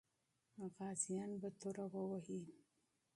غازیان به توره وهي.